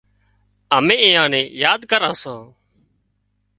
امين ايئان نين ياد ڪران سان